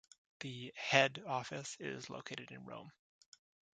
The head office is located in Rome.